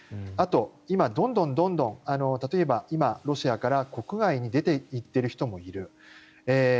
あと、今どんどん例えば今ロシアから国外に出ていっている人もいる。